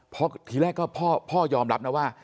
เพราะทีแรกก็พ่อยอมรับนะว่า